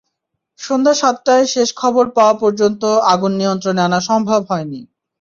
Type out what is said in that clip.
সন্ধ্যা সাতটায় শেষ খবর পাওয়া পর্যন্ত আগুন নিয়ন্ত্রণে আনা সম্ভব হয়নি।